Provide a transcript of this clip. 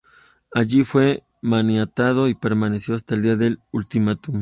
Allí fue maniatado y permaneció hasta el día del ultimátum.